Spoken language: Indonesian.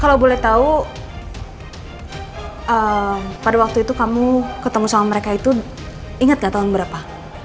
kalau boleh tahu pada waktu itu kamu ketemu sama mereka itu ingat gak tahun berapa